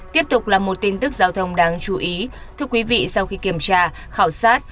tiếp tục là một tin tức giao thông đáng chú ý thưa quý vị sau khi kiểm tra khảo sát